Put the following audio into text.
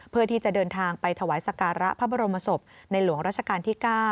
เพื่อที่จะเดินทางไปถวายสการะพระบรมศพในหลวงราชการที่๙